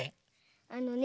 あのね